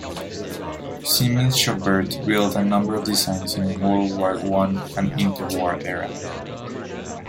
Siemens-Schuckert built a number of designs in World War One and inter-war era.